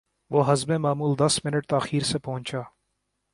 وہ حسب معمول دس منٹ تا خیر سے پہنچا